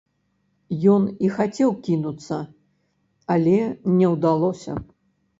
Ён і хацеў кінуцца, але не ўдалося.